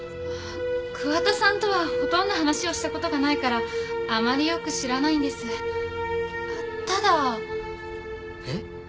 桑田さんとはほとんど話をしたことがないからあまりよく知らないんですただえっ？